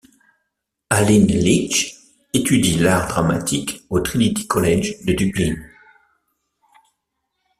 Allen Leech étudie l'art dramatique au Trinity College de Dublin.